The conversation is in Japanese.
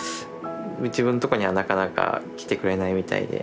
自分のとこにはなかなか来てくれないみたいで。